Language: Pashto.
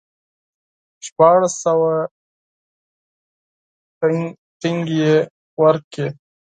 شپاړس سوه ټنګې یې ورکړې.